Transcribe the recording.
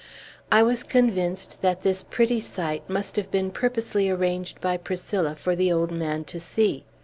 I was convinced that this pretty sight must have been purposely arranged by Priscilla for the old man to see.